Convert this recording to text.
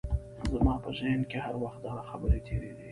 زما په ذهن کې هر وخت دغه خبرې تېرېدې